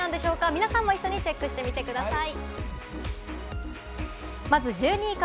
皆さんも一緒にチェックしてみてください。